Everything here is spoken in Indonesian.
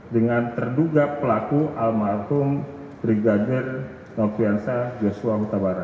dengan terduga pelaku almatum brigadir noviansa joshua utabara